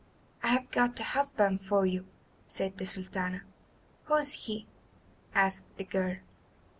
"I have got a husband for you," said the Sultana. "Who is he?" asked the girl.